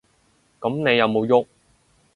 噉你有無郁？